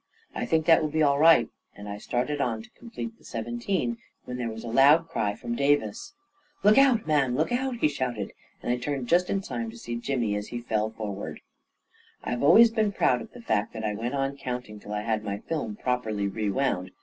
"I think that will be all right," and I started on to complete the seventeen, when there was a loud cry from Davis. A KING IN BABYLON 185 11 Look out, man ; look out !" he shouted, and I turned just in time to see Jimmy as he fell for ward. I have always been proud of the fact that I went on counting till I had my film properly re wound.